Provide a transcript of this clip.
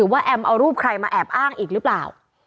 ว่าแอมเอารูปใครมาแอบอ้างอีกหรือเปล่า